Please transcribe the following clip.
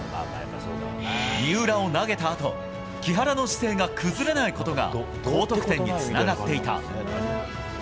三浦を投げたあと木原の姿勢が崩れないことが高得点につながっていた。